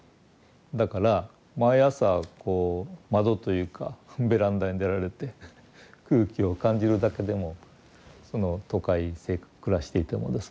だから毎朝こう窓というかベランダに出られて空気を感じるだけでもその都会暮らしていてもですね